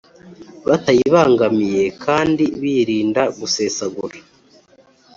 Batayibangamiye kandi birinda gusesagura